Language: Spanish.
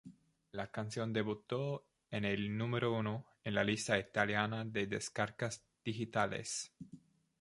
La canción debutó en el número uno en la lista italiana de descargas digitales.